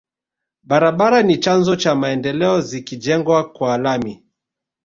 Barabara ni chanzo cha maendeleo zikijengwa kwa lami